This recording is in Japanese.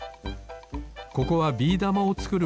ここはビーだまをつくる